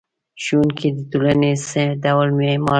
ښوونکی د ټولنې څه ډول معمار دی؟